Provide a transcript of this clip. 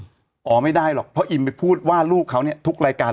อ๋อไม่ได้หรอกเพราะอิมไปพูดว่าลูกเขาเนี่ยทุกรายการ